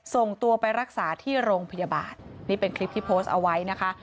ส่งตัวไปรักษาที่โรงพยาบาลนี่เป็นคลิปที่โพสต์เอาไว้นะคะ